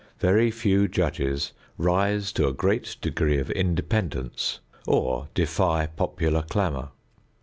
Very few judges rise to a great degree of independence or defy popular clamor.